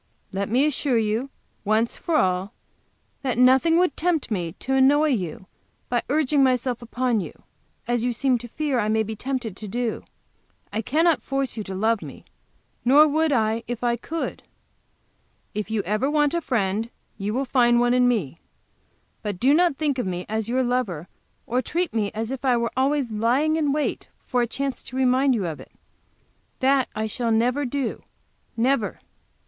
Let me assure you, once for all, that nothing would tempt me to annoy you by urging myself upon you, as you seem to fear I may be tempted to do. I cannot force you to love me, nor would I if I could. If you ever want a friend you will find one in me. But do not think of me as your lover, or treat me as if I were always lying in wait for a chance to remind you of it. That I shall never do, never."